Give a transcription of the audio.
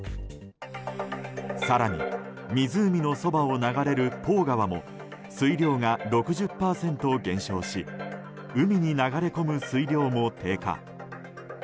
更に湖のそばを流れるポー川も水量が６０％減少し海に流れ込む水量も低下。